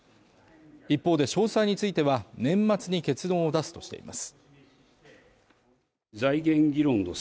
一方で詳細については、年末に結論を出すとしています。